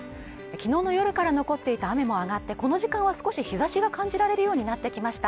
昨日の夜から残っていた雨もあがってこの時間は少し日差しが感じられるようになってきました。